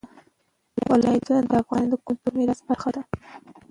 ولایتونه د افغانستان د کلتوري میراث برخه ده.